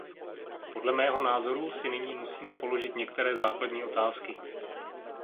Podle mého názoru si nyní musíme položit některé základní otázky.